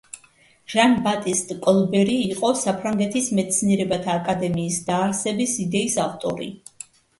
ჟან-ბატისტ კოლბერი იყო საფრანგეთის მეცნიერებათა აკადემიის დაარსების იდეის ავტორი.